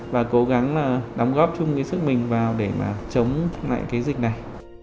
và cố gắng đóng góp chung sức mình vào để chống lại dịch này